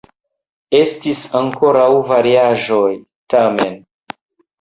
Estis ankoraŭ variaĵoj, tamen.